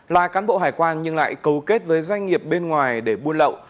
là cán bộ hải quan nhưng lại cấu kết với doanh nghiệp bên ngoài để buôn lậu